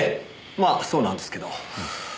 まあそうなんですけど。